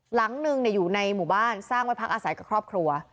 หลังหนึ่งอยู่ในหมู่บ้านสร้างไว้พักอาศัยกับครอบครัว